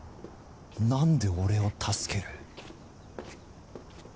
なんで俺を助ける？